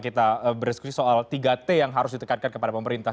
kita berdiskusi soal tiga t yang harus ditekankan kepada pemerintah